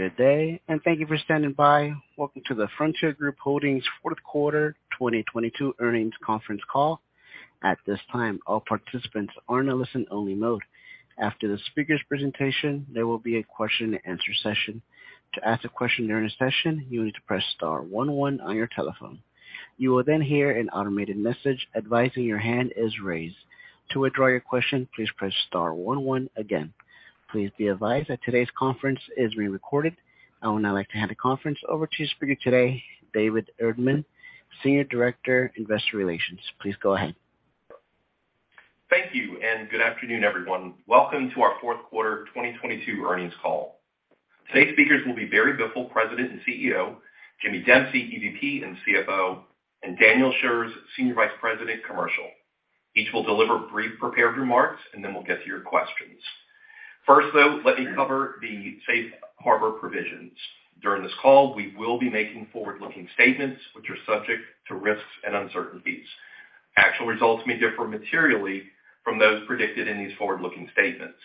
Good day, thank you for standing by. Welcome to the Frontier Group Holdings Fourth Quarter 2022 Earnings Conference Call. At this time, all participants are in a listen only mode. After the speaker's presentation, there will be a question and answer session. To ask a question during the session, you need to press star one one on your telephone. You will hear an automated message advising your hand is raised. To withdraw your question, please press star one one again. Please be advised that today's conference is being recorded. I would now like to hand the conference over to your speaker today, David Erdman, Senior Director, Investor Relations. Please go ahead. Thank you, and good afternoon, everyone. Welcome to our 4th quarter 2022 earnings call. Today's speakers will be Barry Biffle, President and CEO, Jimmy Dempsey, EVP and CFO, and Daniel Shurz, Senior Vice President, Commercial. Each will deliver brief prepared remarks and then we'll get to your questions. First, though, let me cover the safe harbor provisions. During this call, we will be making forward-looking statements which are subject to risks and uncertainties. Actual results may differ materially from those predicted in these forward-looking statements.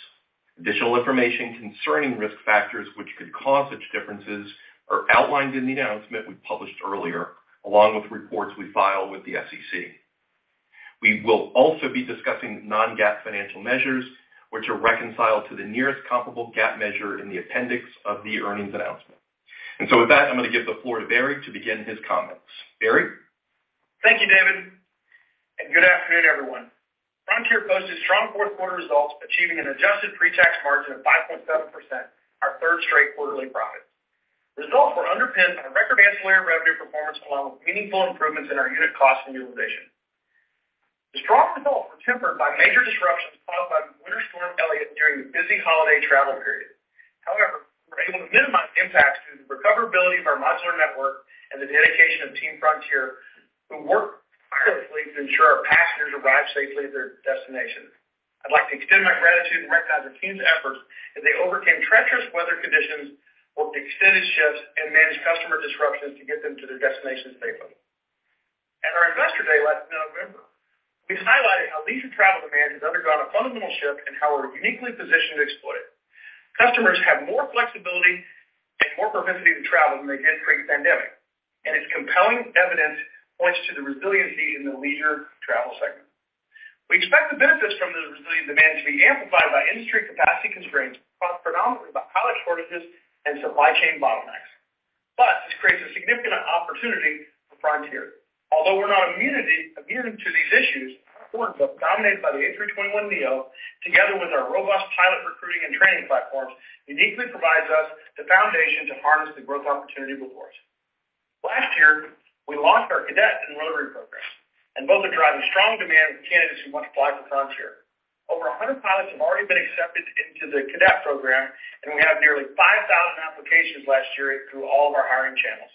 Additional information concerning risk factors which could cause such differences are outlined in the announcement we published earlier, along with reports we file with the SEC. We will also be discussing non-GAAP financial measures which are reconciled to the nearest comparable GAAP measure in the appendix of the earnings announcement. With that, I'm going to give the floor to Barry to begin his comments. Barry? Thank you, David, and good afternoon, everyone. Frontier posted strong fourth-quarter results, achieving an adjusted pre-tax margin of 5.7%, our third straight quarterly profit. Results were underpinned by record ancillary revenue performance along with meaningful improvements in our unit cost utilization. The strong results were tempered by major disruptions caused by Winter Storm Elliott during the busy holiday travel period. However, we were able to minimize the impact through the recoverability of our modular network and the dedication of Team Frontier, who worked tirelessly to ensure our passengers arrived safely at their destination. I'd like to extend my gratitude and recognize the team's efforts as they overcame treacherous weather conditions, worked extended shifts, and managed customer disruptions to get them to their destinations safely. At our Investor Day last November, we highlighted how leisure travel demand has undergone a fundamental shift and how we're uniquely positioned to exploit it. Customers have more flexibility and more propensity to travel than they did pre-pandemic, and its compelling evidence points to the resiliency in the leisure travel segment. We expect the benefits from the resilient demand to be amplified by industry capacity constraints caused predominantly by pilot shortages and supply chain bottlenecks. This creates a significant opportunity for Frontier. Although we're not immune to these issues, our workbook, dominated by the A321neo, together with our robust pilot recruiting and training platforms, uniquely provides us the foundation to harness the growth opportunity before us. Last year, we launched our cadet and rotary programs, and both are driving strong demand with candidates who want to fly for Frontier. Over 100 pilots have already been accepted into the cadet program. We have nearly 5,000 applications last year through all of our hiring channels.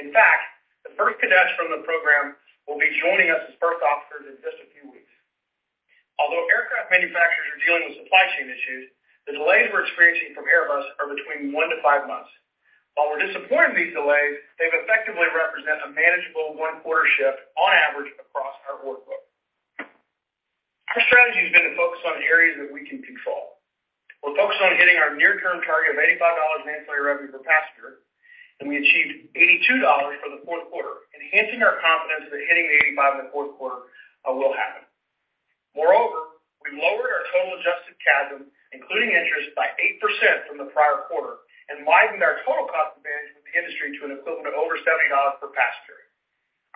In fact, the first cadets from the program will be joining us as first officers in just a few weeks. Although aircraft manufacturers are dealing with supply chain issues, the delays we're experiencing from Airbus are between one-five months. While we're disappointed in these delays, they effectively represent a manageable one-quarter shift on average across our workbook. Our strategy has been to focus on areas that we can control. We're focused on hitting our near-term target of $85 in ancillary revenue per passenger. We achieved $82 for the fourth quarter, enhancing our confidence that hitting the $85 in the fourth quarter will happen. Moreover, we've lowered our total adjusted CASM, including interest, by 8% from the prior quarter and widened our total cost advantage with the industry to an equivalent of over $70 per passenger.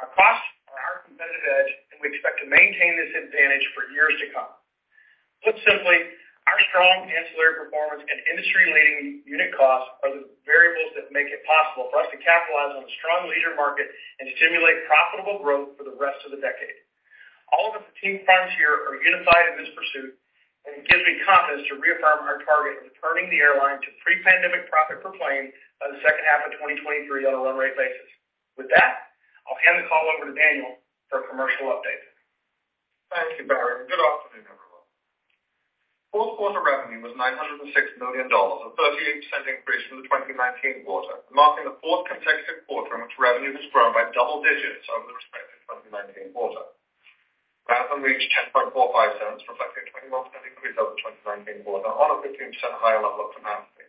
Our costs are our competitive edge, and we expect to maintain this advantage for years to come. Put simply, our strong ancillary performance and industry-leading unit costs are the variables that make it possible for us to capitalize on the strong leisure market and stimulate profitable growth for the rest of the decade. All of us at Team Frontier are unified in this pursuit, and it gives me confidence to reaffirm our target of returning the airline to pre-pandemic profit per plane by the second half of 2023 on a run rate basis. With that, I'll hand the call over to Daniel for a commercial update. Thank you, Barry. Good afternoon, everyone. Fourth quarter revenue was $906 million, a 38% increase from the 2019 quarter, marking the fourth consecutive quarter in which revenue has grown by double digits over the respective 2019 quarter. RASM reached 10.45 cents, reflecting 21% increase over the 2019 quarter on a 15% higher level of capacity.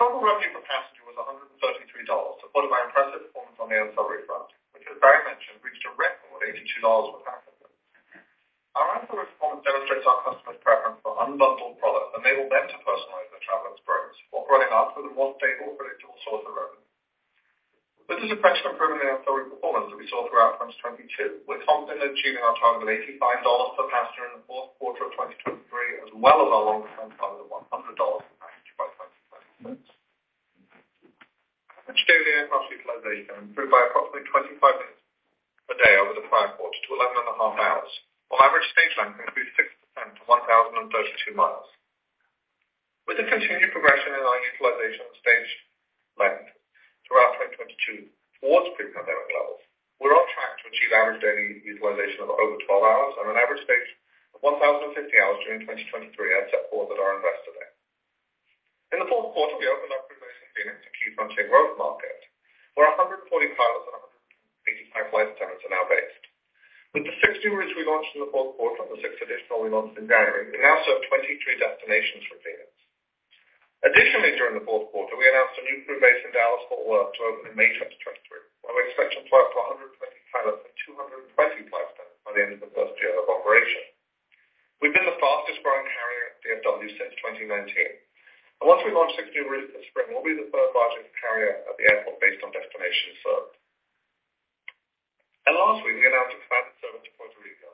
Total revenue per passenger was $133, supported by impressive performance on the ancillary front, which, as Barry mentioned, reached a record $82 per passenger. Our ancillary performance demonstrates our customers' preference for unbundled products, enabling them to personalize their travel experience while providing us with a more stable, predictable source of revenue. With this impression of improving ancillary performance that we saw throughout 2022, we're confident in achieving our target of $85 per passenger in Q4 2023, as well as our long-term target of $100 per passenger by 2026. Average daily aircraft utilization improved by approximately 25 minutes per day over the prior quarter to 11.5 hours, while average stage length increased 6% to 1,032 miles. With the continued progression in our utilization of stage length throughout 2022 towards pre-pandemic levels, we're on track to achieve average daily utilization of over 12 hours on an average stage of 1,050 hours during 2023 as set forth at our Investor Day. In the fourth quarter, we opened our presence in Phoenix, a key Frontier growth market, where 140 pilots. With the six new routes we launched in the fourth quarter and the six additional we launched in January, we now serve 23 destinations from Phoenix. Additionally, during the fourth quarter, we announced a new crew base in Dallas Fort Worth to open in May 2023, where we expect to fly up to 120 pilots and 220 flight attendants by the end of the first year of operation. We've been the fastest-growing carrier at DFW since 2019. Once we launch six new routes this spring, we'll be the third-largest carrier at the airport based on destinations served. Last week, we announced expanded service to Puerto Rico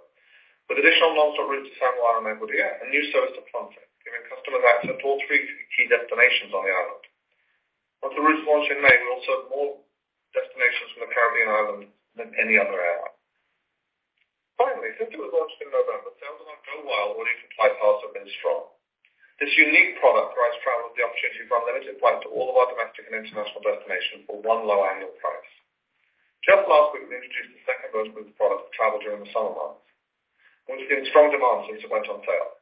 with additional non-stop routes to San Juan and Mayagüez and new service to Ponza, giving customers access to all three key destinations on the island. Once the routes launch in May, we will serve more destinations in the Caribbean island than any other airline. Since it was launched in November, travel on GoWild!, where you can fly pass have been strong. This unique product provides travelers the opportunity for unlimited flights to all of our domestic and international destinations for one low annual price. Just last week, we introduced the second version of the product to travel during the summer months, which has been in strong demand since it went on sale.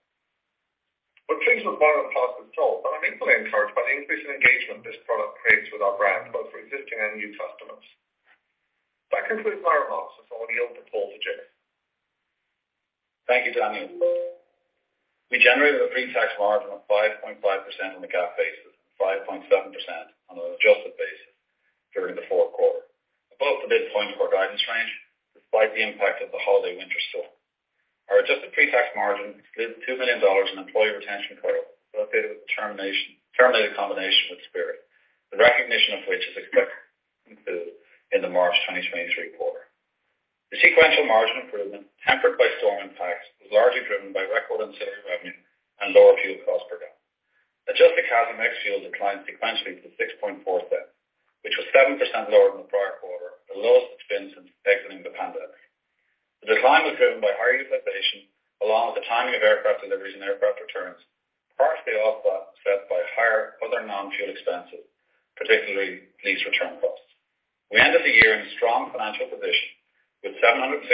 We're pleased with volume of passes sold, but I'm equally encouraged by the increased engagement this product creates with our brand, both for existing and new customers. That concludes my remarks, and so I will yield the call to Jim. Thank you, Daniel. We generated a pre-tax margin of 5.5% on the GAAP basis and 5.7% on an adjusted basis during the fourth quarter. Above the midpoints of our guidance range, despite the impact of the holiday winter storm. Our adjusted pre-tax margin includes $2 million in employee retention credit associated with the terminated combination with Spirit, the recognition of which is expected to include in the March 2023 quarter. The sequential margin improvement, tempered by storm impacts, was largely driven by record ancillary revenue and lower fuel cost per gallon. Adjusted CASM ex-fuel declined sequentially to $0.064, which was 7% lower than the prior quarter, the lowest it's been since exiting the pandemic. The decline was driven by higher utilization, along with the timing of aircraft deliveries and aircraft returns, partially offset by higher other non-fuel expenses, particularly lease return costs. We ended the year in a strong financial position with $761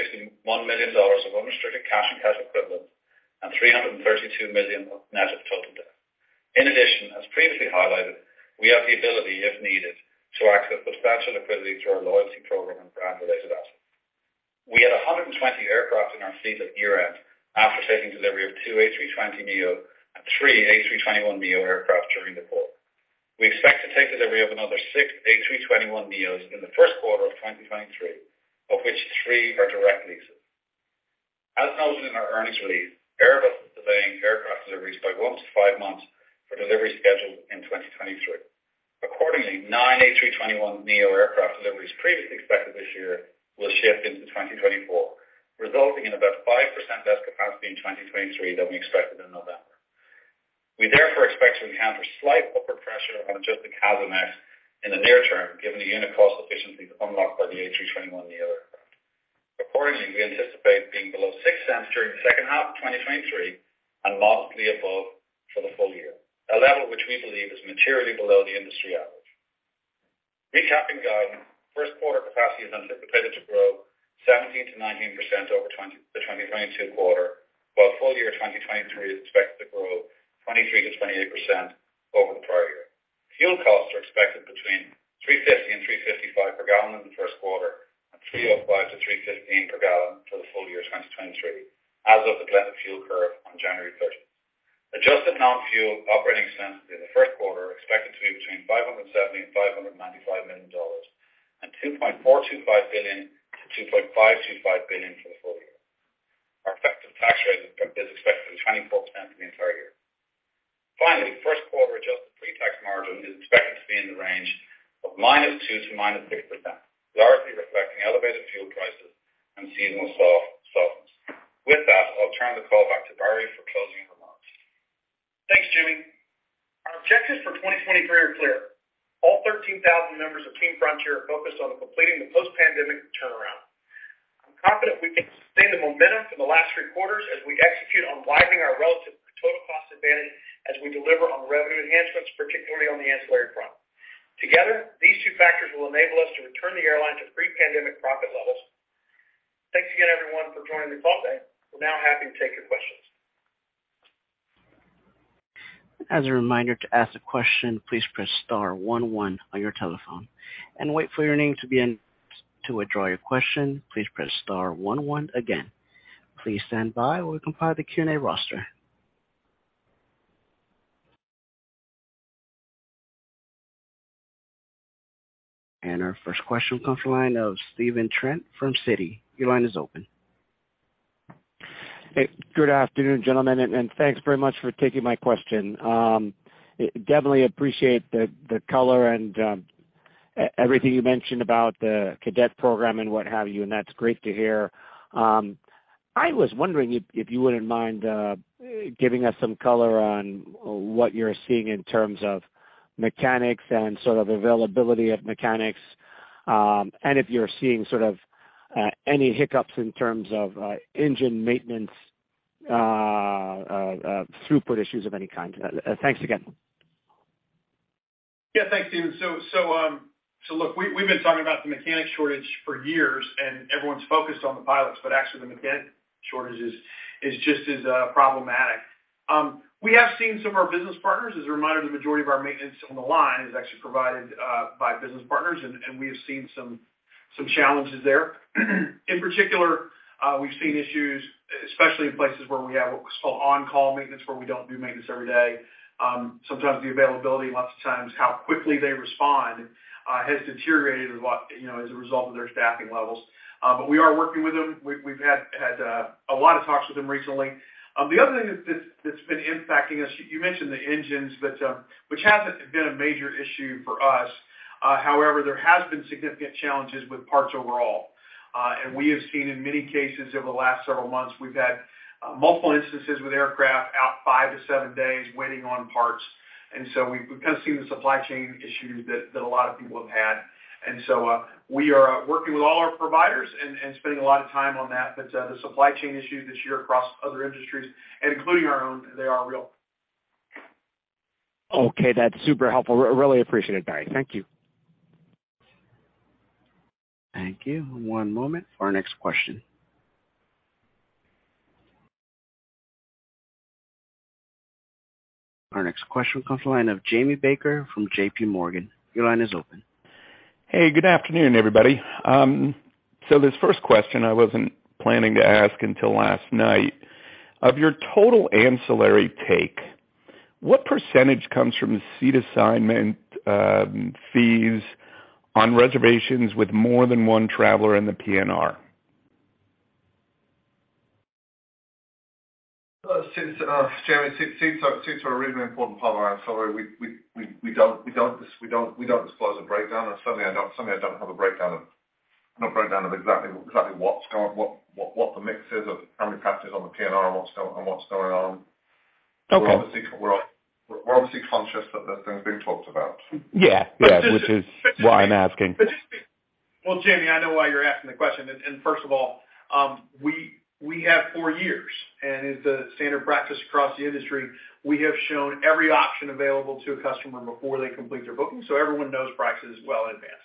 million of unrestricted cash and cash equivalents and $332 million of net of total debt. As previously highlighted, we have the ability, if needed, to access substantial liquidity through our loyalty program and brand-related assets. We had 120 aircraft in our fleet at year-end after taking delivery of two A320neo and three A321neo aircraft during the quarter. We expect to take delivery of another six A321neos in the first quarter of 2023, of which three are direct leases. As noted in our earnings release, Airbus is delaying aircraft deliveries by one-five months for delivery scheduled in 2023. Accordingly, nine A321neo aircraft deliveries previously expected this year will shift into 2024, resulting in about 5% less capacity in 2023 than we expected in November. We therefore expect to encounter slight upward pressure on adjusted CASM ex in the near term, given the unit cost efficiencies unlocked by the A321neo aircraft. Accordingly, we anticipate being below $0.06 during the second half of 2023 and modestly above for the full year, a level which we believe is materially below the industry average. Recapping guidance, first quarter capacity is anticipated to grow 17%-19% over the 2022 quarter, while full year 2023 is expected to grow 23%-28% over the prior year. Fuel costs are expected between $3.50 and $3.55 per gallon in the first quarter and between $3.05 and $3.15 per gallon for the full year 2023, as of the blended fuel curve on January 30. Adjusted non-fuel operating expenses in the first quarter are expected to be between $570 million and $595 million and $2.425 billion to $2.525 billion for the full year. Our effective tax rate is expected to be 24% for the entire year. First quarter adjusted pre-tax margin is expected to be in the range of -2% to -6%, largely reflecting elevated fuel prices and seasonal softness. With that, I'll turn the call back to Barry for closing remarks. Thanks, Jimmy. Our objectives for 2023 are clear. All 13,000 members of Team Frontier are focused on completing the post-pandemic turnaround. I'm confident we can sustain the momentum from the last three quarters as we execute on widening our relative total cost advantage as we deliver on revenue enhancements, particularly on the ancillary front. Together, these two factors will enable us to return the airline to pre-pandemic profit levels. Thanks again everyone for joining the call today. We're now happy to take your questions. As a reminder, to ask a question, please press star one one on your telephone and wait for your name to be announced. To withdraw your question, please press star one one again. Please stand by while we compile the Q&A roster. Our first question will come from the line of Stephen Trent from Citi. Your line is open. Hey, good afternoon, gentlemen, and thanks very much for taking my question. Definitely appreciate the color and everything you mentioned about the cadet program and what have you, and that's great to hear. I was wondering if you wouldn't mind giving us some color on what you're seeing in terms of mechanics and sort of availability of mechanics, and if you're seeing sort of any hiccups in terms of engine maintenance throughput issues of any kind. Thanks again. Yeah, thanks, Stephen. Look, we've been talking about the mechanic shortage for years, and everyone's focused on the pilots, but actually the mechanic shortages is just as problematic. We have seen some of our business partners, as a reminder, the majority of our maintenance on the line is actually provided by business partners, and we have seen some challenges there. In particular, we've seen issues, especially in places where we have what was called on-call maintenance, where we don't do maintenance every day. Sometimes the availability, lots of times how quickly they respond, has deteriorated a lot, you know, as a result of their staffing levels. We are working with them. We've had a lot of talks with them recently. The other thing that's been impacting us, you mentioned the engines that, which hasn't been a major issue for us. However, there has been significant challenges with parts overall. We have seen in many cases over the last several months, we've had multiple instances with aircraft out five-seven days waiting on parts. We've kind of seen the supply chain issue that a lot of people have had. We are working with all our providers and spending a lot of time on that. The supply chain issue this year across other industries, including our own, they are real. Okay, that's super helpful. Really appreciate it, Barry. Thank you. Thank you. One moment for our next question. Our next question comes the line of Jamie Baker from JPMorgan. Your line is open. Hey, good afternoon, everybody. This first question I wasn't planning to ask until last night. Of your total ancillary take, what percentage comes from seat assignment, fees on reservations with more than one traveler in the PNR? since, Jamie, seats are a really important part of our ancillary, we don't disclose a breakdown. Certainly I don't have a breakdown of exactly what the mix is of how many passengers on the PNR and what's going on. Okay. We're obviously conscious that this thing's being talked about. Yeah. Yeah. Which is why I'm asking. Well, Jamie, I know why you're asking the question. First of all, we have four years, and it's a standard practice across the industry. We have shown every option available to a customer before they complete their booking, so everyone knows prices well in advance.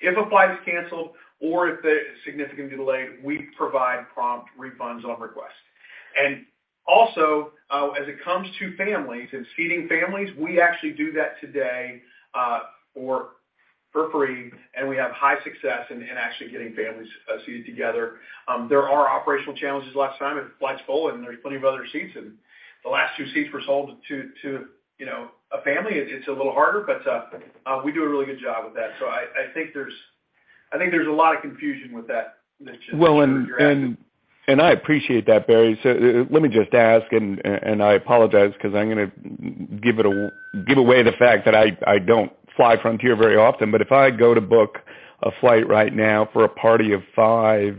If a flight is canceled or if it is significantly delayed, we provide prompt refunds on request. Also, as it comes to families and seating families, we actually do that today, for free, and we have high success in actually getting families, seated together. There are operational challenges a lot of the time, if a flight's full and there's plenty of other seats, and the last two seats were sold to, you know, a family, it's a little harder, but, we do a really good job with that. I think there's a lot of confusion with that. Well, and I appreciate that, Barry. Let me just ask, and I apologize because I'm gonna give away the fact that I don't fly Frontier very often. If I go to book a flight right now for a party of five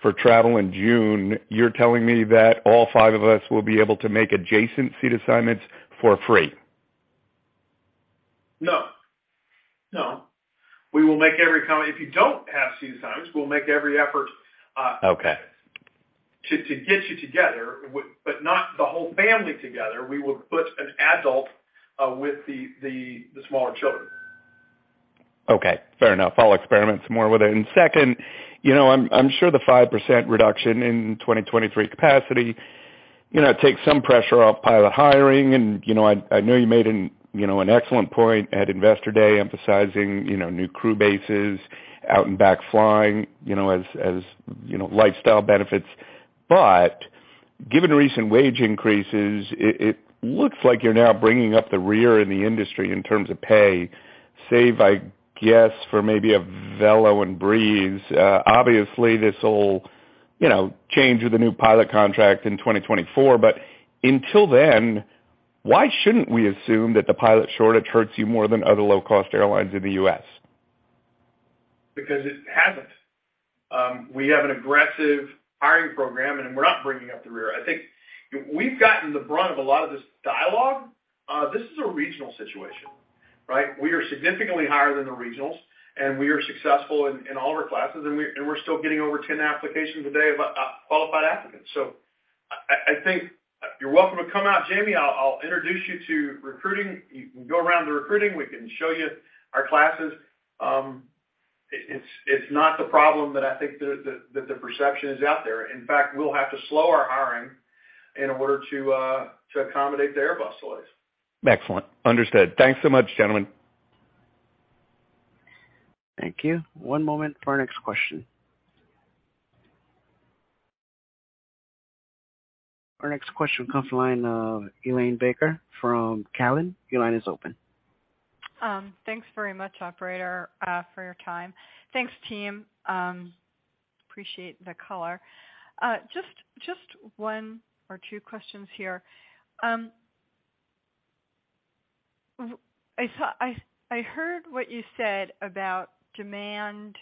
for travel in June, you're telling me that all five of us will be able to make adjacent seat assignments for free? No. No. If you don't have seat assignments, we'll make every effort. Okay... to get you together but not the whole family together. We will put an adult, with the smaller children. Okay, fair enough. I'll experiment some more with it. Second, you know, I'm sure the 5% reduction in 2023 capacity, you know, takes some pressure off pilot hiring and, you know, I know you made an, you know, an excellent point at Investor Day emphasizing, you know, new crew bases out and back flying, you know, as, you know, lifestyle benefits. Given recent wage increases, it looks like you're now bringing up the rear in the industry in terms of pay, save, I guess, for maybe Avelo and Breeze. Obviously, this will, you know, change with the new pilot contract in 2024. Until then, why shouldn't we assume that the pilot shortage hurts you more than other low-cost airlines in the U.S.? Because it hasn't. We have an aggressive hiring program, and we're not bringing up the rear. I think we've gotten the brunt of a lot of this dialogue. This is a regional situation, right? We are significantly higher than the regionals, and we are successful in all of our classes, and we're still getting over 10 applications a day of qualified applicants. I think you're welcome to come out, Jamie. I'll introduce you to recruiting. You can go around the recruiting. We can show you our classes. It's not the problem that I think that the perception is out there. In fact, we'll have to slow our hiring in order to accommodate the Airbus delays. Excellent. Understood. Thanks so much, gentlemen. Thank you. One moment for our next question. Our next question comes the line of Helane Becker from Cowen. Your line is open. Thanks very much, operator, for your time. Thanks, team. Appreciate the color. Just one or two questions here. I heard what you said about demand,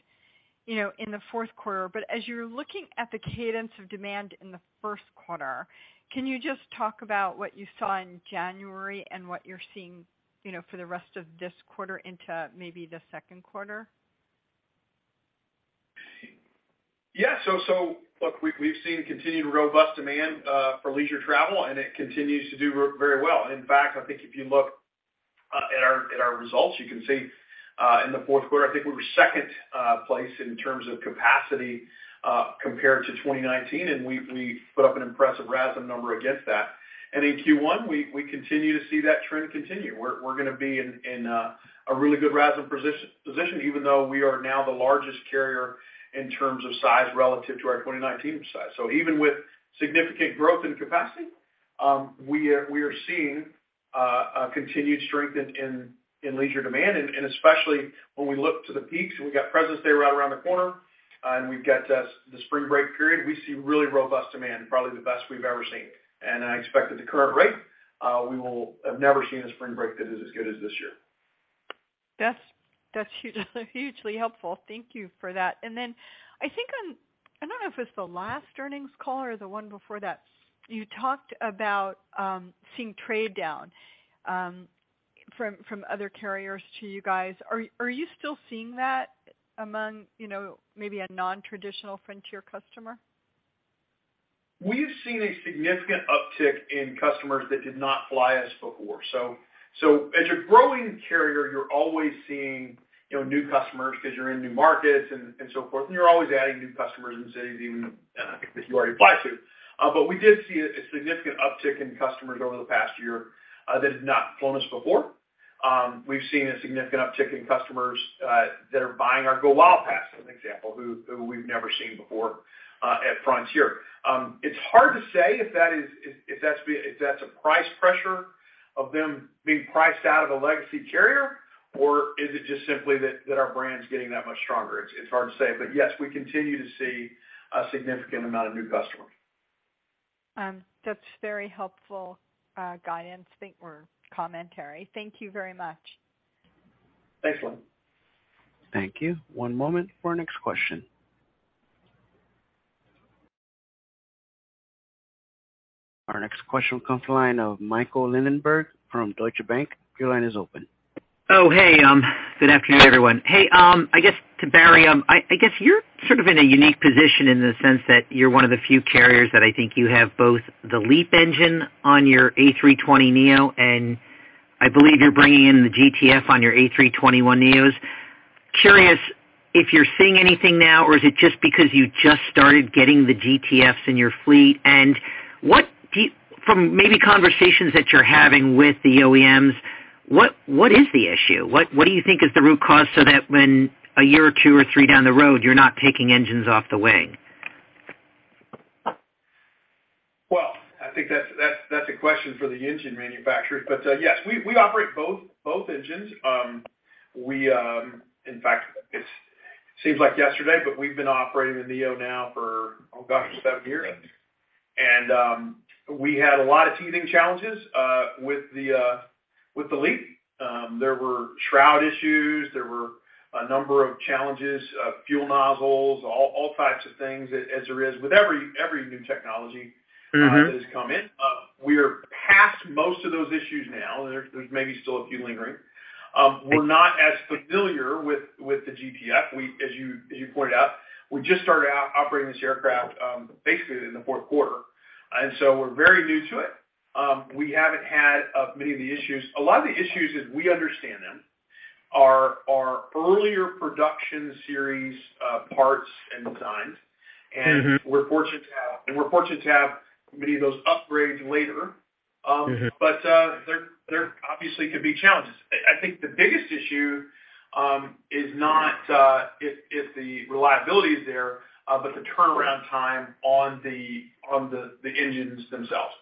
you know, in the fourth quarter. As you're looking at the cadence of demand in the first quarter, can you just talk about what you saw in January and what you're seeing, you know, for the rest of this quarter into maybe the second quarter? Yeah. Look, we've seen continued robust demand for leisure travel, and it continues to do very well. In fact, I think if you look at our results. You can see, in the fourth quarter, I think we were second place in terms of capacity compared to 2019, and we put up an impressive RASM number against that. In Q1, we continue to see that trend continue. We're gonna be in a really good RASM position, even though we are now the largest carrier in terms of size relative to our 2019 size. Even with significant growth and capacity, we are seeing a continued strength in leisure demand, and especially when we look to the peaks. We've got Presidents' Day right around the corner, and we've got, the spring break period. We see really robust demand, probably the best we've ever seen. I expect at the current rate, we will have never seen a spring break that is as good as this year. That's hugely helpful. Thank you for that. Then I think on I don't know if it's the last earnings call or the one before that, you talked about seeing trade down from other carriers to you guys. Are you still seeing that among, you know, maybe a non-traditional Frontier customer? We've seen a significant uptick in customers that did not fly us before. As a growing carrier, you're always seeing, you know, new customers 'cause you're in new markets and so forth, and you're always adding new customers in cities even that you already fly to. We did see a significant uptick in customers over the past year that have not flown us before. We've seen a significant uptick in customers that are buying our GoWild! pass, for example, who we've never seen before at Frontier. It's hard to say if that is, if that's a price pressure of them being priced out of a legacy carrier, or is it just simply that our brand's getting that much stronger? It's hard to say. Yes, we continue to see a significant amount of new customers. That's very helpful guidance or commentary. Thank you very much. Thanks, Helane. Thank you. One moment for our next question. Our next question will come from the line of Michael Linenberg from Deutsche Bank. Your line is open. Hey. Good afternoon, everyone. Hey, I guess to Barry, I guess you're sort of in a unique position in the sense that you're one of the few carriers that I think you have both the LEAP engine on your A320neo, and I believe you're bringing in the GTF on your A321neos. Curious if you're seeing anything now, or is it just because you just started getting the GTFs in your fleet? From maybe conversations that you're having with the OEMs, what is the issue? What do you think is the root cause so that when a year or two or three down the road you're not taking engines off the wing? Well, I think that's a question for the engine manufacturers. Yes, we operate both engines. We, in fact, it seems like yesterday, but we've been operating the neo now for seven years. We had a lot of teething challenges with the LEAP. There were shroud issues. There were a number of challenges, fuel nozzles, all types of things as there is with every new technology. Mm-hmm. That has come in. We are past most of those issues now. There's maybe still a few lingering. We're not as familiar with the GTF. As you pointed out, we just started out operating this aircraft, basically in the fourth quarter, and so we're very new to it. We haven't had many of the issues. A lot of the issues, as we understand them, are earlier production series parts and designs. Mm-hmm. We're fortunate to have many of those upgrades later. Mm-hmm. There obviously could be challenges. I think the biggest issue is not if the reliability is there, but the turnaround time on the engines themselves.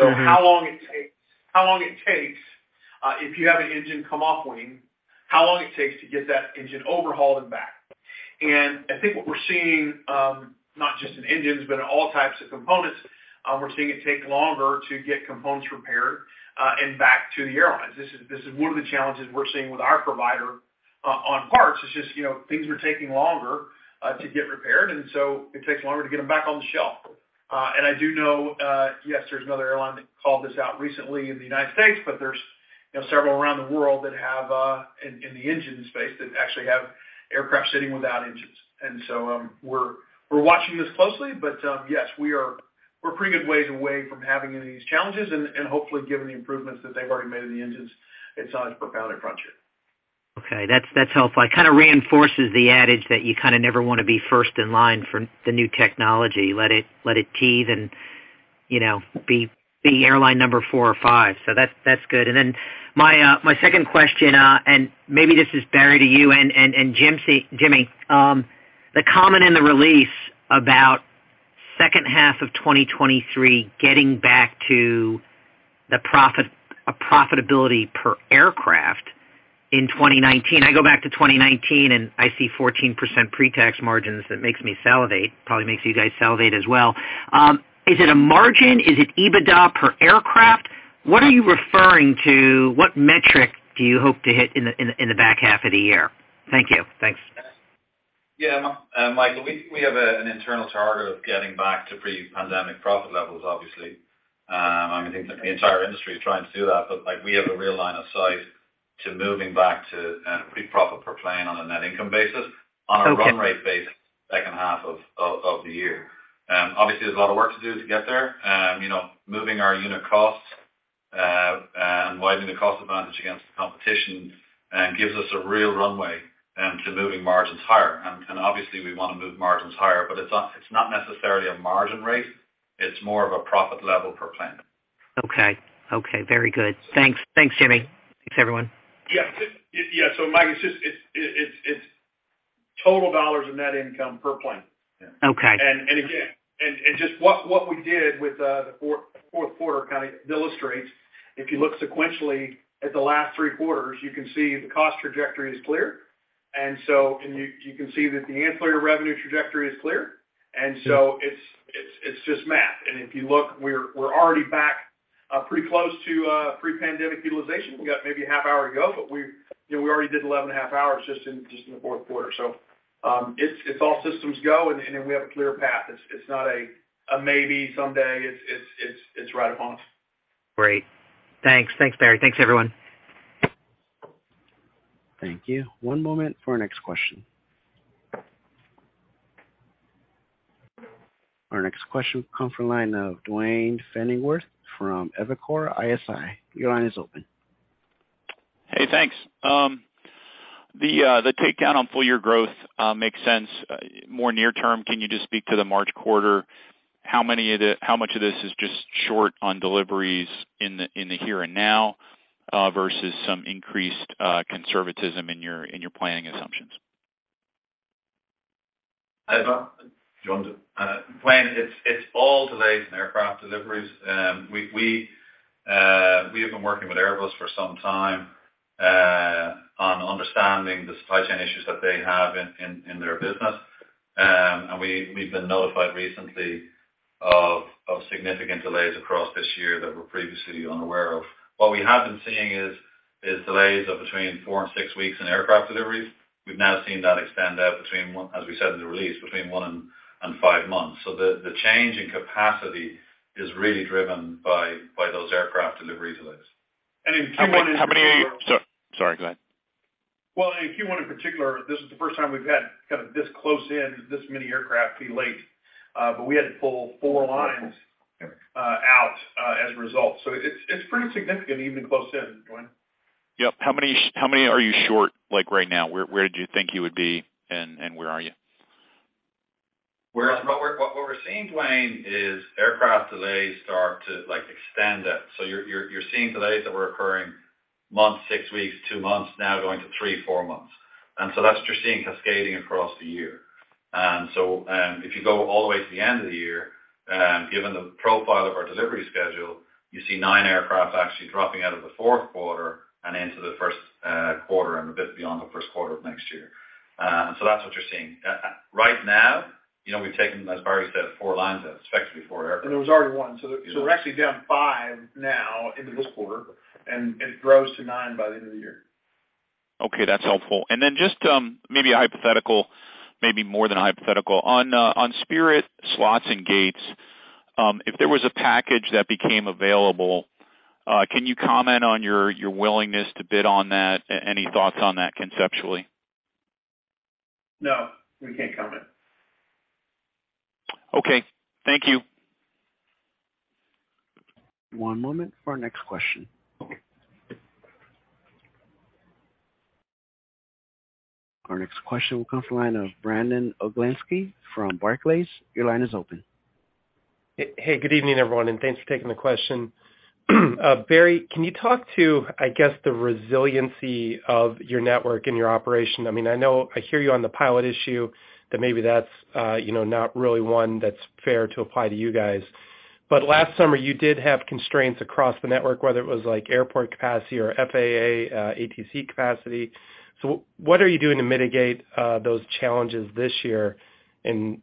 Mm-hmm. How long it takes, if you have an engine come off wing, how long it takes to get that engine overhauled and back. I think what we're seeing, not just in engines, but in all types of components, we're seeing it take longer to get components repaired and back to the airlines. This is one of the challenges we're seeing with our provider on parts. It's just, you know, things are taking longer to get repaired, it takes longer to get them back on the shelf. I do know, yes, there's another airline that called this out recently in the United States, but there's, you know, several around the world that have in the engines space that actually have aircraft sitting without engines. We're watching this closely. Yes, we're a pretty good ways away from having any of these challenges and hopefully, given the improvements that they've already made in the engines, it's not as profound at Frontier. Okay. That's, that's helpful. It kind of reinforces the adage that you kind of never wanna be first in line for the new technology. Let it, let it teethe and, you know, be airline number four or five. That's, that's good. My second question, and maybe this is Barry to you and Jimmy. The comment in the release about second half of 2023 getting back to the profitability per aircraft in 2019. I go back to 2019, and I see 14% pre-tax margins. That makes me salivate. Probably makes you guys salivate as well. Is it a margin? Is it EBITDA per aircraft? What are you referring to? What metric do you hope to hit in the, in the, in the back half of the year? Thank you. Thanks. Yeah. Michael, we have an internal target of getting back to pre-pandemic profit levels, obviously. I mean, I think that the entire industry is trying to do that, but, like, we have a real line of sight to moving back to pre-profit per plane on a net income basis. Okay. On a run rate basis. -half of the year. Obviously, there's a lot of work to do to get there. You know, moving our unit costs and widening the cost advantage against the competition gives us a real runway to moving margins higher. Obviously, we wanna move margins higher. It's not necessarily a margin rate, it's more of a profit level per plane. Okay. Okay, very good. Thanks. Thanks, Jimmy. Thanks, everyone. Yeah. Mike, it's just, it's total $ in net income per plane. Okay. Again, just what we did with the fourth quarter kind of illustrates, if you look sequentially at the last three quarters, you can see the cost trajectory is clear. You can see that the ancillary revenue trajectory is clear. It's just math. If you look, we're already back, pretty close to pre-pandemic utilization. We've got maybe a half hour to go, but we, you know, we already did 11 and a half hours just in the fourth quarter. It's all systems go, and we have a clear path. It's not a maybe someday. It's right upon us. Great. Thanks. Thanks, Barry. Thanks, everyone. Thank you. 1 moment for our next question. Our next question will come from line of Duane Pfennigwerth from Evercore ISI. Your line is open. Hey, thanks. The, the take down on full year growth makes sense. More near term, can you just speak to the March quarter? How much of this is just short on deliveries in the, in the here and now, versus some increased conservatism in your, in your planning assumptions? Duane, it's all delays in aircraft deliveries. We have been working with Airbus for some time on understanding the supply chain issues that they have in their business. We've been notified recently of significant delays across this year that we're previously unaware of. What we have been seeing is delays of between four and six weeks in aircraft deliveries. We've now seen that extend out between one, as we said in the release, between one and five months. The change in capacity is really driven by those aircraft delivery delays. In Q1 in particular. How many? Sorry, go ahead. Well, in Q1 in particular, this is the first time we've had kind of this close in, this many aircraft be late, but we had to pull four lines out as a result. It's, it's pretty significant even close in, Duane. Yep. How many are you short, like, right now? Where do you think you would be and where are you? what we're seeing, Duane, is aircraft delays start to, like, extend out. You're seeing delays that were occurring months, six weeks, two months, now going to three, four months. That's what you're seeing cascading across the year. If you go all the way to the end of the year, given the profile of our delivery schedule, you see nine aircrafts actually dropping out of the 4th quarter and into the 1st quarter and a bit beyond the 1st quarter of next year. That's what you're seeing. Right now, you know, we've taken, as Barry said, four lines out, especially for aircraft. There was already one. We're actually down five now into this quarter, and it grows to nine by the end of the year. Okay, that's helpful. Maybe a hypothetical, maybe more than a hypothetical. On Spirit slots and gates, if there was a package that became available, can you comment on your willingness to bid on that? Any thoughts on that conceptually? No, we can't comment. Okay. Thank you. One moment for our next question. Our next question will come from the line of Brandon Oglenski from Barclays. Your line is open. Hey, good evening, everyone, and thanks for taking the question. Barry, can you talk to, I guess, the resiliency of your network and your operation? I mean, I hear you on the pilot issue that maybe that's, you know, not really one that's fair to apply to you guys. Last summer, you did have constraints across the network, whether it was like airport capacity or FAA, ATC capacity. What are you doing to mitigate those challenges this year?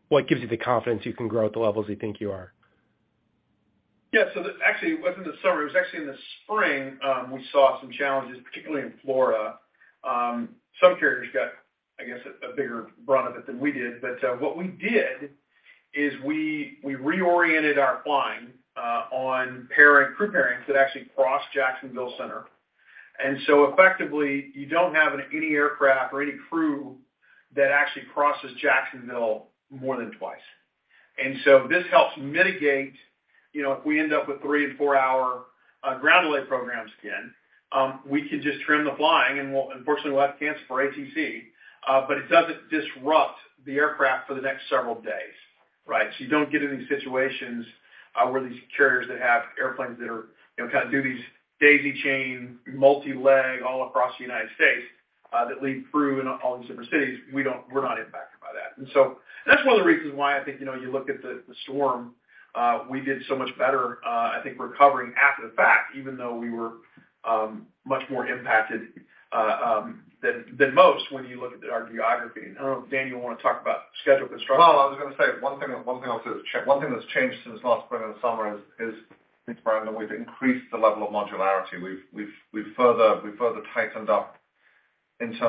What gives you the confidence you can grow at the levels you think you are? Actually, it wasn't the summer. It was actually in the spring, we saw some challenges, particularly in Florida. Some carriers got, I guess, a bigger brunt of it than we did. What we did is we reoriented our flying on crew pairings that actually crossed Jacksonville Center. Effectively, you don't have any aircraft or any crew that actually crosses Jacksonville more than twice. This helps mitigate, you know, if we end up with three and four-hour ground delay programs again, we can just trim the flying and unfortunately, we'll have to cancel for ACF, but it doesn't disrupt the aircraft for the next several days, right? You don't get in these situations, where these carriers that have airplanes that are, you know, kind of do these daisy chain, multi-leg all across the United States, that leave crew in all these different cities. We're not impacted by that. That's one of the reasons why I think, you know, you look at the storm, we did so much better, I think recovering after the fact, even though we were much more impacted than most when you look at our geography. I don't know, Daniel, you wanna talk about schedule construction? No, I was gonna say one thing I'll say, one thing that's changed since last spring and summer is, Brandon, we've increased the level of modularity. We've further tightened up. We've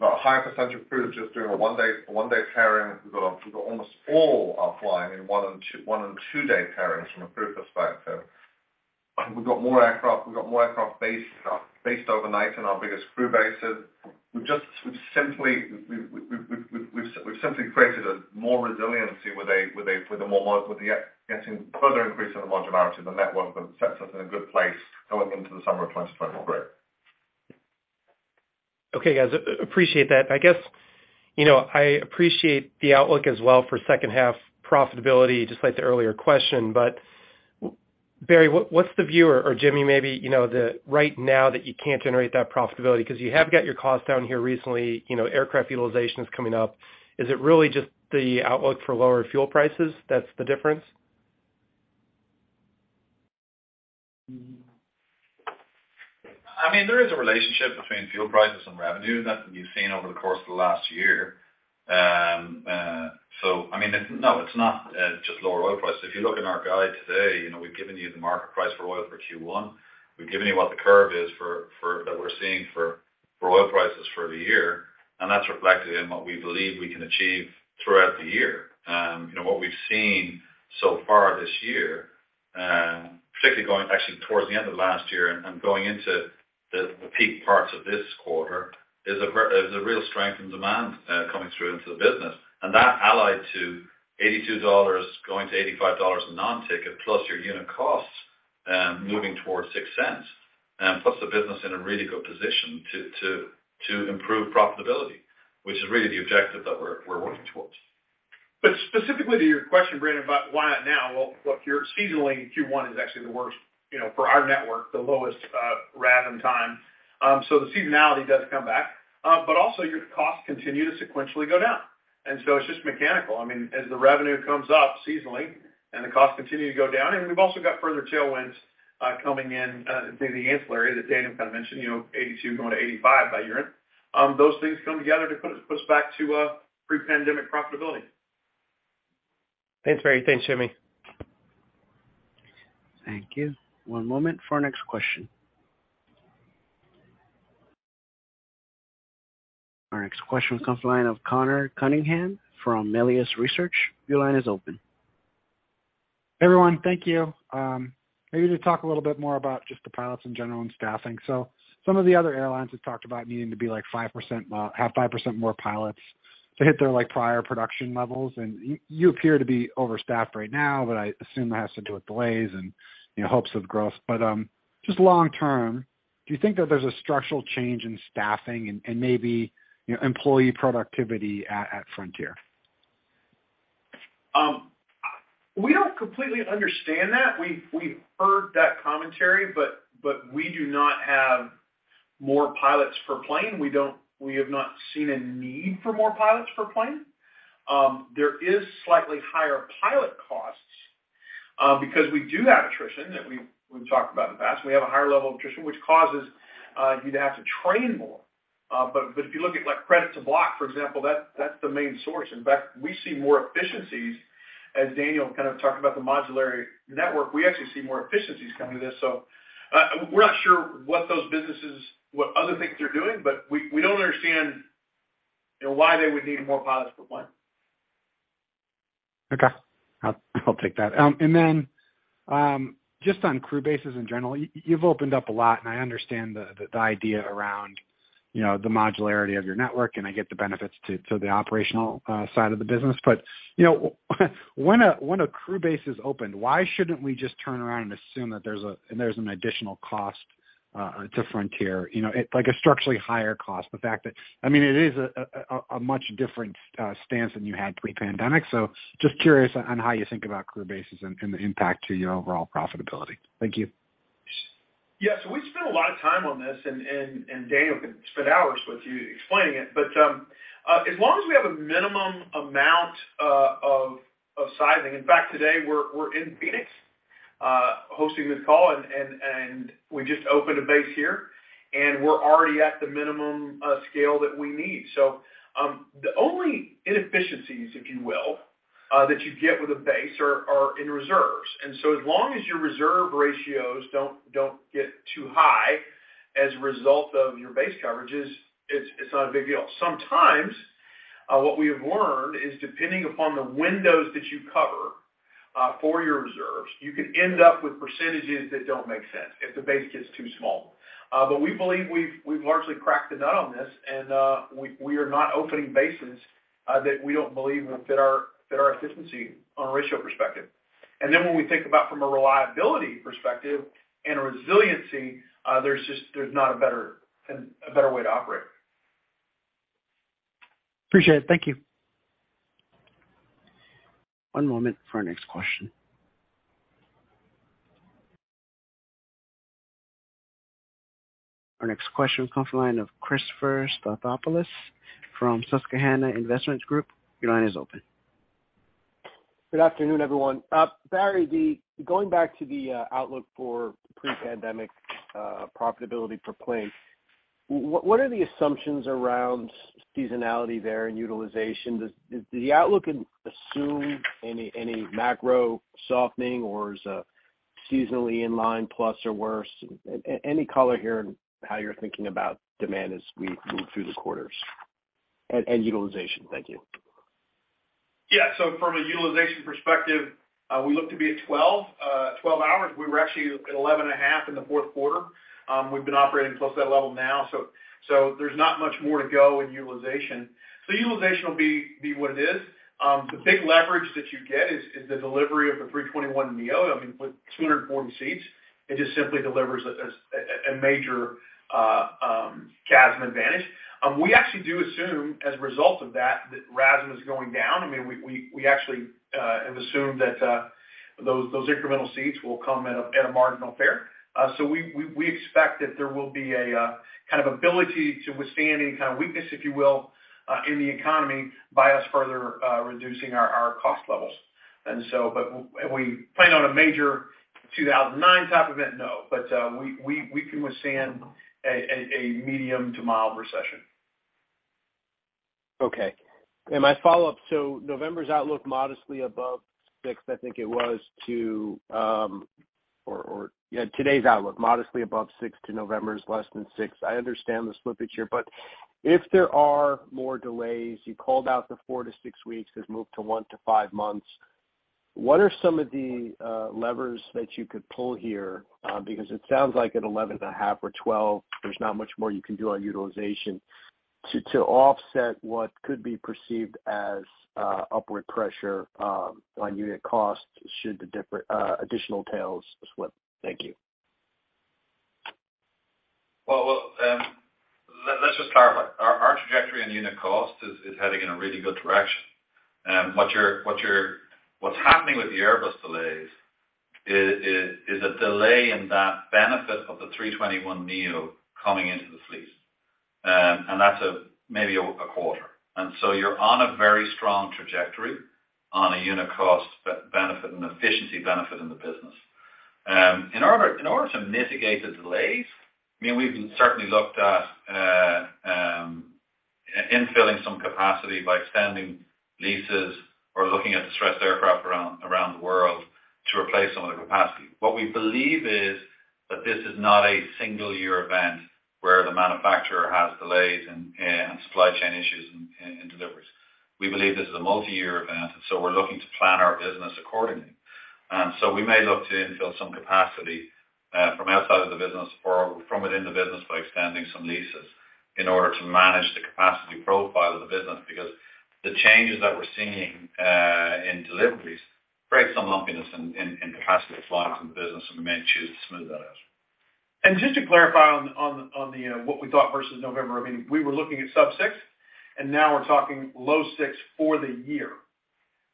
got a higher percentage of crew just doing a one-day pairing. We've got almost all are flying in one and two-day pairings from a crew perspective. We've got more aircraft based overnight in our biggest crew bases. We've simply created a more resiliency with the getting further increase in the modularity of the network that sets us in a good place going into the summer of 2023. Okay, guys. Appreciate that. I guess, you know, I appreciate the outlook as well for second half profitability, just like the earlier question. Barry, what's the view or Jimmy, maybe, you know, the right now that you can't generate that profitability because you have got your costs down here recently, you know, aircraft utilization is coming up. Is it really just the outlook for lower fuel prices that's the difference? I mean, there is a relationship between fuel prices and revenue that you've seen over the course of the last year. I mean, it's not just lower oil prices. If you look in our guide today, you know, we've given you the market price for oil for Q1. We've given you what the curve is for that we're seeing for oil prices for the year, that's reflected in what we believe we can achieve throughout the year. You know, what we've seen so far this year, particularly going actually towards the end of last year and going into the peak parts of this quarter is a real strength in demand coming through into the business. That allied to $82 going to $85 a non-ticket plus your unit costs, moving towards $0.06, puts the business in a really good position to improve profitability, which is really the objective that we're working towards. Specifically to your question, Brandon, about why not now? Well, look, you're seasonally Q1 is actually the worst, you know, for our network, the lowest, rev in time. The seasonality does come back, also your costs continue to sequentially go down. It's just mechanical. I mean, as the revenue comes up seasonally and the costs continue to go down, and we've also got further tailwinds coming in through the ancillary that Daniel kind of mentioned, you know, 82 going to 85 by unit. Those things come together to put us back to pre-pandemic profitability. Thanks, Barry. Thanks, Jimmy. Thank you. One moment for our next question. Our next question comes the line of Connor Cunningham from Melius Research. Your line is open. Everyone, thank you. Maybe just talk a little bit more about just the pilots in general and staffing. Some of the other airlines have talked about needing to have 5% more pilots to hit their, like, prior production levels. You appear to be overstaffed right now, but I assume that has to do with delays and, you know, hopes of growth. Just long term, do you think that there's a structural change in staffing and maybe, you know, employee productivity at Frontier? We don't completely understand that. We've heard that commentary, but we do not have more pilots per plane. We have not seen a need for more pilots per plane. There is slightly higher pilot costs because we do have attrition that we've talked about in the past, and we have a higher level of attrition, which causes you to have to train more. If you look at like credit to block, for example, that's the main source. In fact, we see more efficiencies as Daniel kind of talked about the modularity network. We actually see more efficiencies coming to this. We're not sure what those businesses, what other things they're doing, but we don't understand, you know, why they would need more pilots per plane. Okay. I'll take that. Then, just on crew bases in general, you've opened up a lot, and I understand the idea around, you know, the modularity of your network, and I get the benefits to the operational side of the business. You know, when a crew base is opened, why shouldn't we just turn around and assume that there's an additional cost to Frontier? You know, like a structurally higher cost. The fact that, I mean, it is a much different stance than you had pre-pandemic. Just curious on how you think about crew bases and the impact to your overall profitability. Thank you. Yeah. We spent a lot of time on this and Daniel can spend hours with you explaining it. As long as we have a minimum amount of sizing, in fact, today we're in Phoenix, hosting this call and we just opened a base here, and we're already at the minimum scale that we need. The only inefficiencies, if you will, that you get with a base are in reserves. As long as your reserve ratios don't get too high as a result of your base coverages, it's not a big deal. Sometimes, what we have learned is, depending upon the windows that you cover for your reserves, you could end up with percentages that don't make sense if the base gets too small. We believe we've largely cracked the nut on this and, we are not opening bases, that we don't believe will fit our efficiency on a ratio perspective. When we think about from a reliability perspective and a resiliency, there's not a better way to operate. Appreciate it. Thank you. One moment for our next question. Our next question comes from the line of Christopher Stathoulopoulos from Susquehanna International Group. Your line is open. Good afternoon, everyone. Barry, going back to the outlook for pre-pandemic profitability per plane, what are the assumptions around seasonality there and utilization? Does the outlook assume any macro softening or is seasonally in line plus or worse? Any color here in how you're thinking about demand as we move through the quarters and utilization. Thank you. Yeah. From a utilization perspective, we look to be at 12 hours. We were actually at 11.5 in the fourth quarter. We've been operating close to that level now. There's not much more to go in utilization. Utilization will be what it is. The big leverage that you get is the delivery of the A321neo. I mean, with 240 seats, it just simply delivers a major CASM advantage. We actually do assume as a result of that RASM is going down. I mean, we actually have assumed that those incremental seats will come at a marginal fare. We expect that there will be a kind of ability to withstand any kind of weakness, if you will, in the economy by us further reducing our cost levels. Are we planning on a major 2009 type event? No. We can withstand a medium to mild recession. Okay. My follow-up, November's outlook modestly above six, I think it was to, or, yeah, today's outlook modestly above six to November is less than six. I understand the slippage here, but if there are more delays, you called out the four-six weeks has moved to one-five months, what are some of the levers that you could pull here? Because it sounds like at 11.5 or 12, there's not much more you can do on utilization to offset what could be perceived as upward pressure on unit costs should the different additional tails slip. Thank you. Well, let's just clarify. Our trajectory on unit cost is heading in a really good direction. What's happening with the Airbus delays is a delay in that benefit of the A321neo coming into the fleet. And that's maybe a quarter. You're on a very strong trajectory on a unit cost benefit and efficiency benefit in the business. In order to mitigate the delays, I mean, we've certainly looked at infilling some capacity by extending leases or looking at distressed aircraft around the world to replace some of the capacity. What we believe is that this is not a single year event where the manufacturer has delays and supply chain issues in deliveries. We believe this is a multiyear event, and so we're looking to plan our business accordingly. We may look to infill some capacity, from outside of the business or from within the business by extending some leases in order to manage the capacity profile of the business. The changes that we're seeing, in deliveries create some lumpiness in capacity supply to the business, and we may choose to smooth that out. Just to clarify on the what we thought versus November, I mean, we were looking at sub six, and now we're talking low six for the year,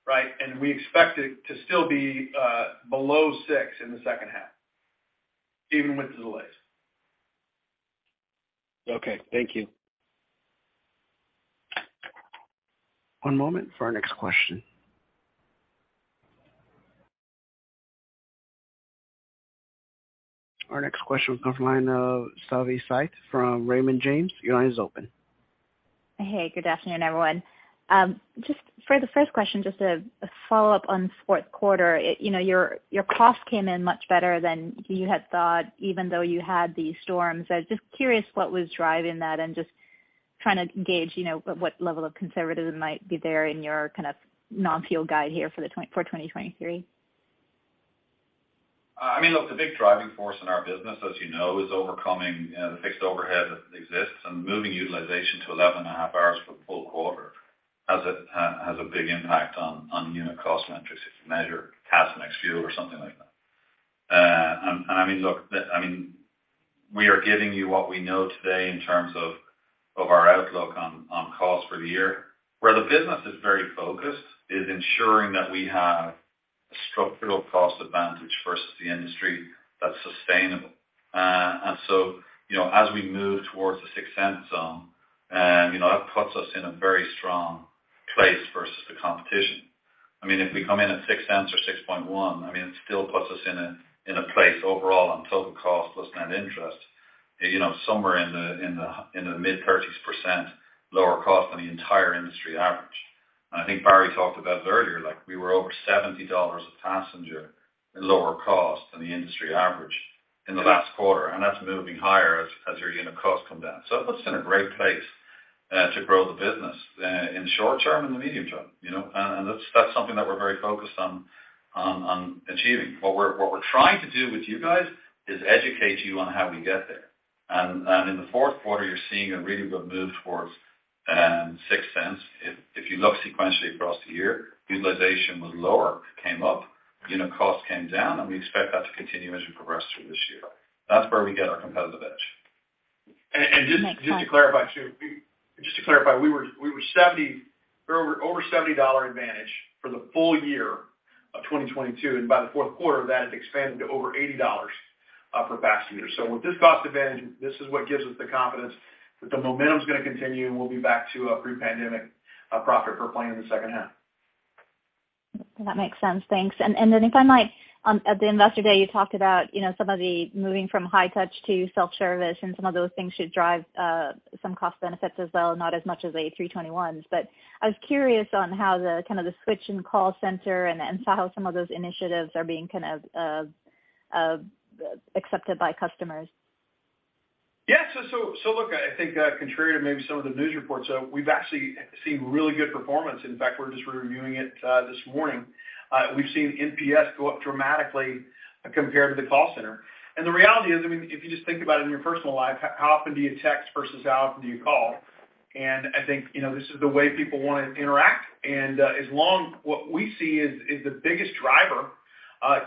right? We expect it to still be below six in the second half, even with the delays. Okay. Thank you. One moment for our next question. Our next question comes from line of Savi Syth from Raymond James. Your line is open. Hey, good afternoon, everyone. Just for the first question, just a follow-up on fourth quarter. You know, your costs came in much better than you had thought, even though you had these storms. I was just curious what was driving that and just trying to gauge, you know, what level of conservatism might be there in your kind of non-fuel guide here for 2023. I mean, look, the big driving force in our business, as you know, is overcoming the fixed overhead that exists and moving utilization to 11.5 hours for the full quarter. Has a big impact on unit cost metrics if you measure CASM ex-fuel or something like that. I mean, look, I mean, we are giving you what we know today in terms of our outlook on cost for the year. Where the business is very focused is ensuring that we have a structural cost advantage versus the industry that's sustainable. You know, as we move towards the $0.06 zone, you know, that puts us in a very strong place versus the competition. I mean, if we come in at $0.06 or $0.061, I mean, it still puts us in a place overall on total cost plus net interest, you know, somewhere in the mid-30s% lower cost than the entire industry average. I think Barry talked about it earlier, like we were over $70 a passenger in lower cost than the industry average in the last quarter, and that's moving higher as your unit costs come down. It puts us in a great place to grow the business in the short term and the medium term, you know. That's something that we're very focused on achieving. What we're trying to do with you guys is educate you on how we get there. In the fourth quarter, you're seeing a really good move towards $0.06. If you look sequentially across the year, utilization was lower, it came up. Unit cost came down, and we expect that to continue as we progress through this year. That's where we get our competitive edge. That makes sense. Just to clarify too, we were 70, we were over $70 advantage for the full year of 2022, and by the fourth quarter that had expanded to over $80 per passenger. With this cost advantage, this is what gives us the confidence that the momentum's gonna continue, and we'll be back to a pre-pandemic profit per plane in the second half. That makes sense. Thanks. Then if I might, at the Investor Day, you talked about, you know, some of the moving from high touch to self-service, and some of those things should drive some cost benefits as well, not as much as a three twenty-ones. I was curious on how the kind of the switch in call center and how some of those initiatives are being kind of accepted by customers. Yes. Look, I think, contrary to maybe some of the news reports, we've actually seen really good performance. In fact, we're just reviewing it this morning. We've seen NPS go up dramatically compared to the call center. The reality is, I mean, if you just think about it in your personal life, how often do you text versus how often do you call? I think, you know, this is the way people wanna interact. What we see is the biggest driver,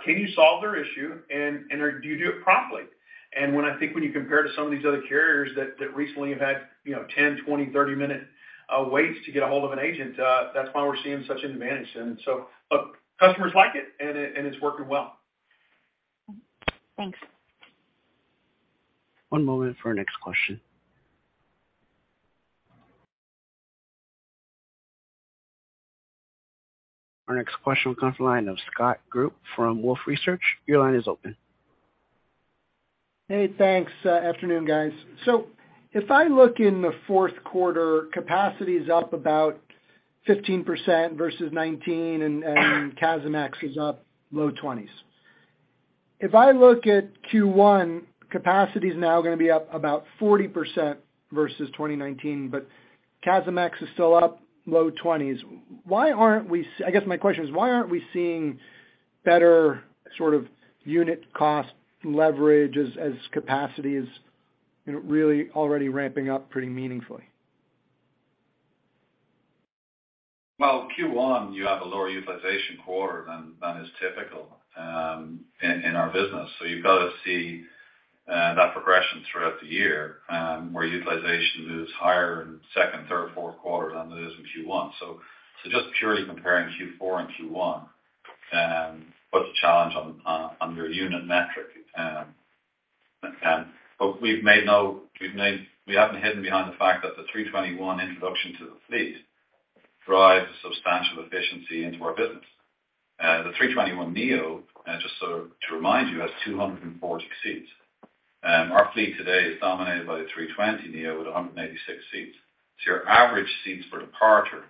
can you solve their issue and do you do it promptly? When I think when you compare to some of these other carriers that recently have had, you know, 10, 20, 30-minute waits to get a hold of an agent, that's why we're seeing such an advantage. look, customers like it and it's working well. Thanks. One moment for our next question. Our next question comes from the line of Scott Group from Wolfe Research. Your line is open. Hey, thanks. Afternoon, guys. If I look in the fourth quarter, capacity is up about 15% versus 2019 and CASM ex is up low 20s%. If I look at Q1, capacity is now gonna be up about 40% versus 2019, but CASM ex is still up low 20s%. I guess my question is, why aren't we seeing better sort of unit cost leverage as capacity is, you know, really already ramping up pretty meaningfully? Well, Q1, you have a lower utilization quarter than is typical in our business. You've got to see that progression throughout the year where utilization is higher in second, third, fourth quarter than it is in Q1. Just purely comparing Q4 and Q1 puts a challenge on your unit metric. We haven't hidden behind the fact that the three twenty-one introduction to the fleet drives a substantial efficiency into our business. The three twenty-one NEO, just so to remind you, has 240 seats. Our fleet today is dominated by the three twenty NEO with 186 seats. Your average seats per departure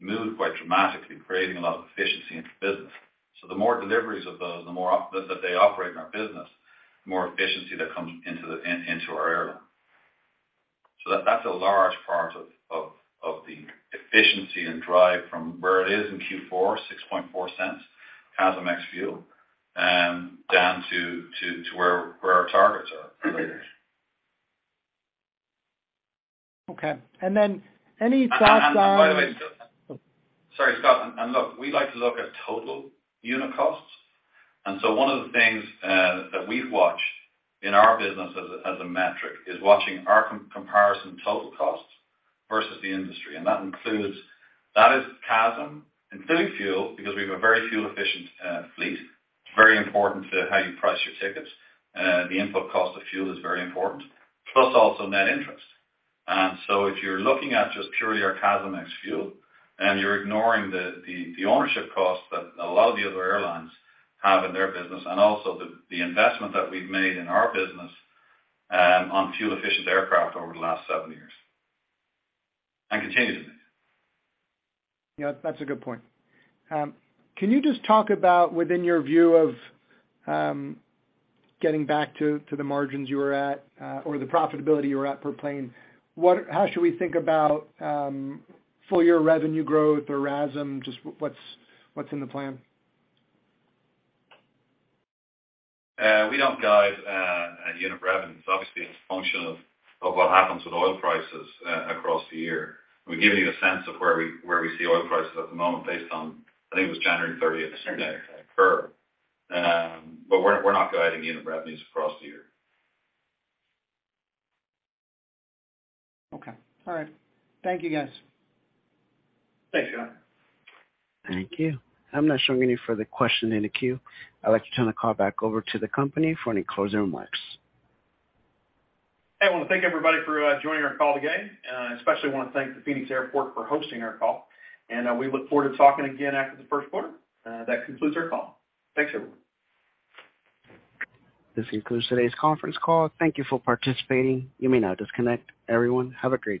move quite dramatically, creating a lot of efficiency into the business. The more deliveries of those, the more that they operate in our business, the more efficiency that comes into our airline. That's a large part of the efficiency and drive from where it is in Q4, $0.064 CASM ex-fuel, down to where our targets are for the year. Okay. Then any thoughts on... By the way. Oh. Sorry, Scott. Look, we like to look at total unit costs. One of the things that we've watched in our business as a metric is watching our comparison total costs versus the industry. That includes that is CASM, including fuel, because we have a very fuel efficient fleet. It's very important to how you price your tickets. The input cost of fuel is very important, plus also net interest. If you're looking at just purely our CASM ex-fuel, and you're ignoring the ownership costs that a lot of the other airlines have in their business and also the investment that we've made in our business on fuel efficient aircraft over the last seven years and continue to make. Yeah, that's a good point. Can you just talk about within your view of getting back to the margins you were at or the profitability you were at per plane, how should we think about full year revenue growth or RASM, just what's in the plan? We don't guide unit revenues, obviously, it's a function of what happens with oil prices across the year. We've given you a sense of where we see oil prices at the moment based on, I think it was January 30th today per. We're not guiding unit revenues across the year. Okay. All right. Thank you, guys. Thanks, Scott. Thank you. I'm not showing any further question in the queue. I'd like to turn the call back over to the company for any closing remarks. I wanna thank everybody for joining our call today. Especially wanna thank the Phoenix Airport for hosting our call. We look forward to talking again after the first quarter. That concludes our call. Thanks, everyone. This concludes today's conference call. Thank you for participating. You may now disconnect. Everyone, have a great day.